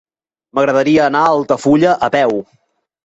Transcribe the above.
M'agradaria anar a Altafulla a peu.